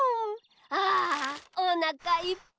ああおなかいっぱい！